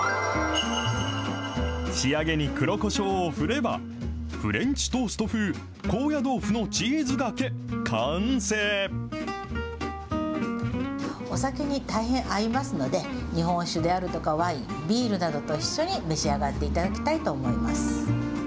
仕上げに黒こしょうをふれば、フレンチトースト風高野豆腐のチーお酒に大変合いますので、日本酒であるとか、ワイン、ビールなどと一緒に召し上がっていただきたいと思います。